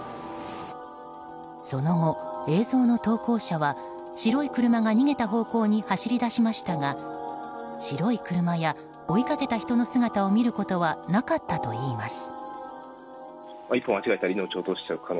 その後、映像の投稿者は白い車が逃げた方向に走り出しましたが白い車や、追いかけた人の姿を見ることはなかったといいます。